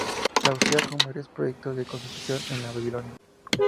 La asocia con varios proyectos de construcción en Babilonia.